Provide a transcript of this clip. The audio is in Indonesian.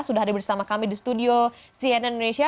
sudah hadir bersama kami di studio cnn indonesia